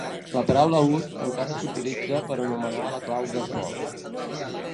La paraula "ut" encara s'utilitza per anomenar la clau de sol.